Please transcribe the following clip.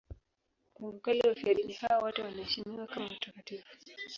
Tangu kale wafiadini hao wote wanaheshimiwa kama watakatifu.